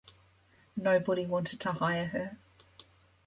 Nobody wanted to hire her.